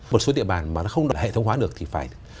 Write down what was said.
một số địa bản mà nó không được hệ thống hóa được thì phải